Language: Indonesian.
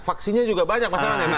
vaksinnya juga banyak mas anang